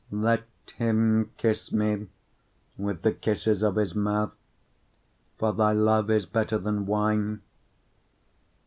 1:2 Let him kiss me with the kisses of his mouth: for thy love is better than wine.